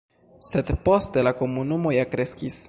Sed poste la komunumo ja kreskis.